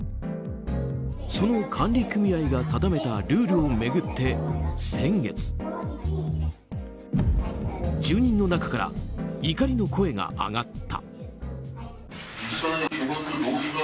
その管理組合が定めたルールを巡って先月住人の中から怒りの声が上がった。